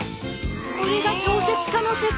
これが小説家の世界。